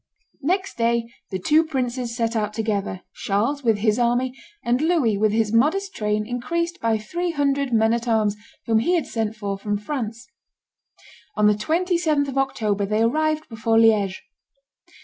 Next day the two princes set out together, Charles with his army, and Louis with his modest train increased by three hundred men at arms, whom he had sent for from France. On the 27th of October they arrived before Liege.